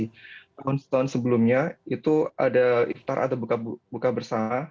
tahun tahun sebelumnya itu ada iftar atau buka bersama